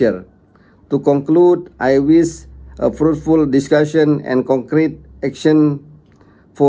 untuk kebaikan semua orang